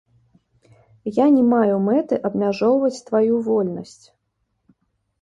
Я не маю мэты абмяжоўваць тваю вольнасць.